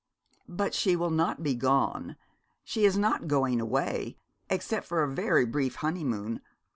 'But she will not be gone she is not going away except for a very brief honeymoon.